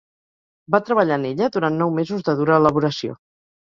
Va treballar en ella durant nou mesos de dura elaboració.